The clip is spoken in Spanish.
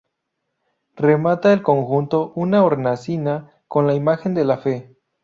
Remata el conjunto una hornacina con la imagen de la Fe.